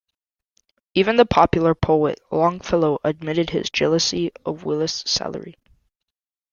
Even the popular poet Longfellow admitted his jealousy of Willis's salary.